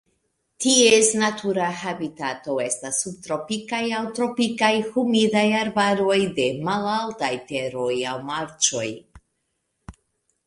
Ties natura habitato estas subtropikaj aŭ tropikaj humidaj arbaroj de malaltaj teroj aŭ marĉoj.